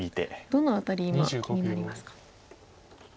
どの辺り今気になりますか。